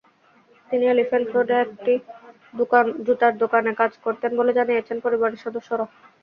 তিনি এলিফ্যান্ট রোডে একটি জুতার দোকানে কাজ করতেন বলে জানিয়েছেন পরিবারের সদস্যরা।